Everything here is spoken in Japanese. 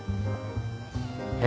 え？